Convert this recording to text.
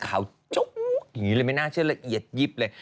จุ๊กอย่างนี้เลยไม่น่าเชื่อละเอียดยิบเลย